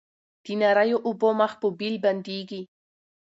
د نریو اوبو مخ په بېل بندیږي